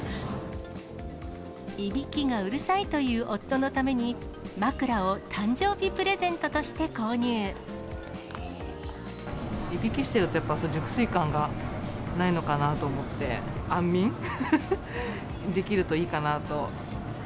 いびきがうるさいという夫のために、いびきしてると、やっぱり熟睡感がないのかなと思って、安眠できるといいかなと。